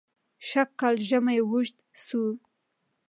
سژ کال ژمى وژد سو